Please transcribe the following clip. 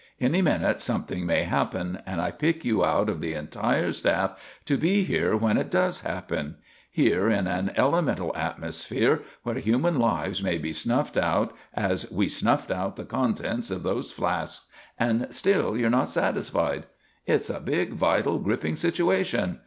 Any minute something may happen, and I pick you out of the entire staff to be here when it does happen; here in an elemental atmosphere where human lives may be snuffed out as we snuffed out the contents of those flasks, and still you're not satisfied. It's a big, vital, gripping situation.